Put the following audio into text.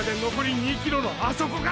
２ｋｍのあそこから！！